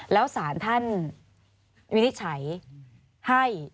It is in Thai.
แล้วสารท่านวินิจฉัยให้